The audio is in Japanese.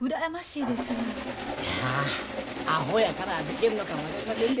いやアホやからできるのかも分かりませんで。